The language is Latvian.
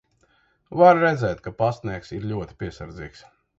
Var redzēt, ka pastnieks ir ļoti piesardzīgs.